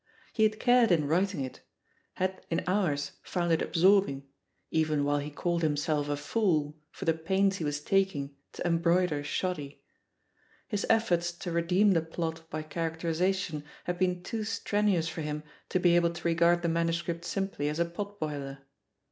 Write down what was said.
He had eared in writing it, had in hours found it absorbing, even while he called himself a fool for the pains he was taking to em broider shoddy ; his efforts to redeem the plot by characterisation had been too strenuous for him to be able to regard the manuscript simply as a potboiler.